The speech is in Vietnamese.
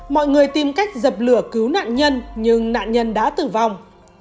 mọi người tìm cách dập lửa cứu nạn nhân nhưng nạn nhân đã tử vong